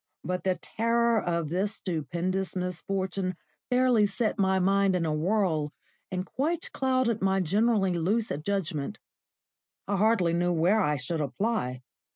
But the terror of this stupendous misfortune fairly set my mind in a whirl and quite clouded my generally lucid judgment. I hardly knew where I should apply.